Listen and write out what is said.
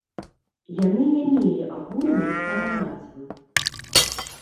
Яны не мелі агульнай саманазвы.